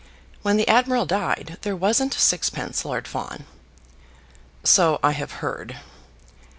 When the admiral died, there wasn't sixpence, Lord Fawn." "So I have heard."